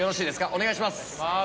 お願いします